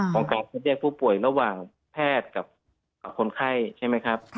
การที่เรียกผู้ป่วยระหว่างแพทย์กับคนไข้ใช่ไหมครับ